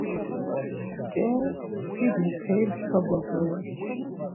Ç̌e, si muperi mskva boz ore!